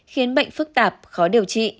khiến bệnh phức tạp khó điều trị